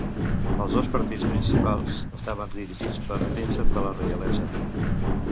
Els dos partits principals estaven dirigits per prínceps de la reialesa.